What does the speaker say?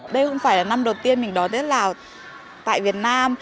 đây không phải là năm đầu tiên mình đón tết lào tại việt nam